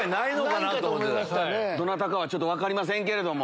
どなたかは分かりませんけれども。